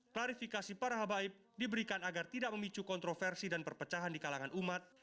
klarifikasi para habaib diberikan agar tidak memicu kontroversi dan perpecahan di kalangan umat